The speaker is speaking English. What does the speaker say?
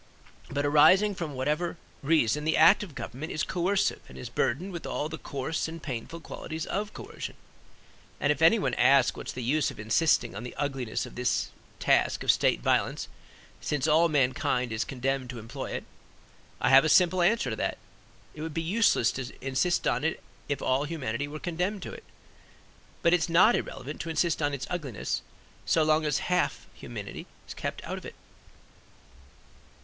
But arising from whatever reason the act of government is coercive and is burdened with all the coarse and painful qualities of coercion. And if anyone asks what is the use of insisting on the ugliness of this task of state violence since all mankind is condemned to employ it, I have a simple answer to that. It would be useless to insist on it if all humanity were condemned to it. But it is not irrelevant to insist on its ugliness so long as half of humanity is kept out of it.